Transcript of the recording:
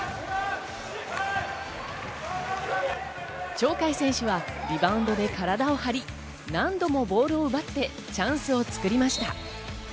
鳥海選手はリバウンドで体を張り、何度もボールを奪ってチャンスを作りました。